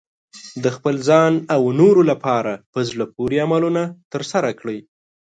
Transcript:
د خپل ځان او نورو لپاره په زړه پورې عملونه ترسره کړئ.